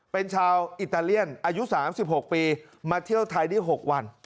เป็นชาวอิตาเลียนอายุ๓๖ปีมาเที่ยวไทยได้๖วัน